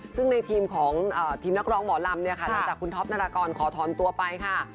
ซึ่งในทีมของทีมนักร้องหมอลำเนี่ยค่ะหลังจากคุณท็อปนารากรขอถอนตัวไปค่ะ